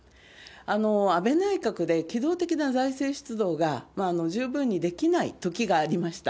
安倍内閣で機動的な財政出動が十分にできないときがありました。